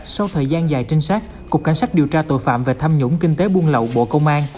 sau thời gian dài trinh sát cục cảnh sát điều tra tội phạm về tham nhũng kinh tế buôn lậu bộ công an